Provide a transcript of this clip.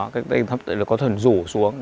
có thần rủ xuống